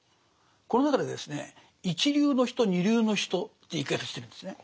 この中でですね一流の人二流の人という言い方してるんですね。